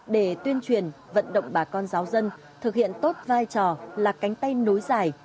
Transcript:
để tuyên truyền vận động bà con giáo dân thực hiện tốt vai trò là cánh tay nối dài